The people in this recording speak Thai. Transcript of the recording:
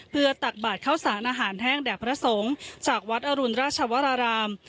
เพื่อตักบาทเข้าสารอาหารแห้งแด่พระสงฆ์จากวัดอรุณราชวราราม